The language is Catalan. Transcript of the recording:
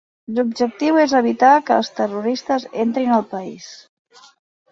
L'objectiu és evitar que els terroristes entrin al país.